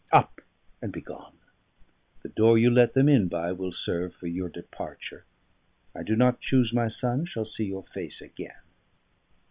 Up and begone. The door you let them in by will serve for your departure. I do not choose my son shall see your face again."